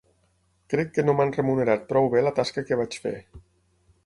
Crec que no m'han remunerat prou bé la tasca que vaig fer.